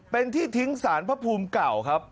เป็นที่ทิ้งสารพระภูมิเก่าครับ